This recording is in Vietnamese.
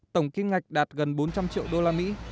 tổng kim ngạch đạt gần bốn trăm linh triệu usd